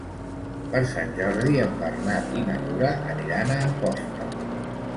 Per Sant Jordi en Bernat i na Nura aniran a Amposta.